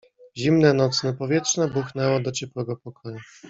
"Zimne nocne powietrze buchnęło do ciepłego pokoju."